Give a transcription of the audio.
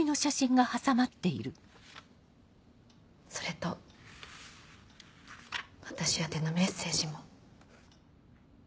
それと私宛てのメッセージも。